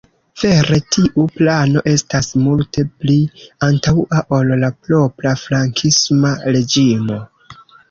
Vere tiu plano estas multe pli antaŭa ol la propra frankisma reĝimo.